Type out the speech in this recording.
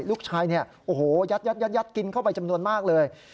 ลูกชายยัดกินเข้าไปจำนวนมากเลย